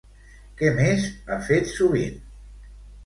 Què més ha fet sovint?